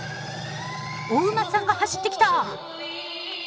お馬さんが走ってきた！